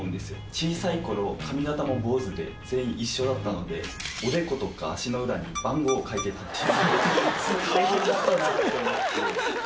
小さい頃髪形も坊主で全員一緒だったのでおでことか足の裏に番号を書いてたっていう。